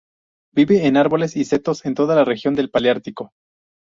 Vive en árboles y setos en toda la región del Paleártico.